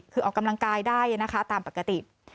คือออกกำลังกายได้นะคะตามปกติ